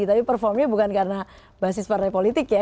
tapi performnya bukan karena basis partai politik ya